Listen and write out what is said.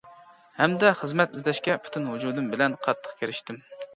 ھەمدە خىزمەت ئىزدەشكە پۈتۈن ۋۇجۇدۇم بىلەن قاتتىق كىرىشتىم.